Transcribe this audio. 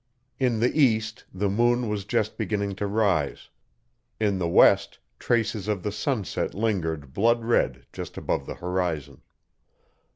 In the east, the moon was just beginning to rise; in the west, traces of the sunset lingered blood red just above the horizon.